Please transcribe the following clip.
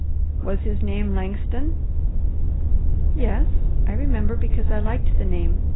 "Was his name Langston?" "Yes, I remember because I liked the name.